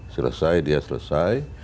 selesai dia selesai